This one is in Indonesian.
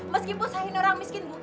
meskipun saya ini orang miskin bu